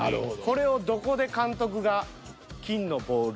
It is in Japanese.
これをどこで監督が金のボール